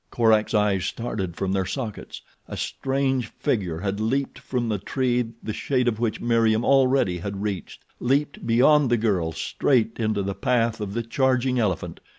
Korak's eyes started from their sockets. A strange figure had leaped from the tree the shade of which Meriem already had reached—leaped beyond the girl straight into the path of the charging elephant.